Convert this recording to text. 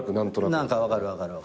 何か分かる分かる。